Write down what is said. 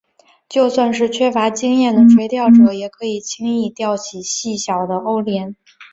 就算是缺乏经验的垂钓者也可以轻易钓起细小的欧鲢。